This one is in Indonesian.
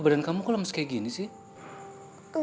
badan kamu kok lemes kayak gini sih